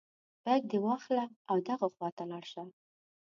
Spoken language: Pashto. بیک دې واخله او دغه خواته لاړ شه.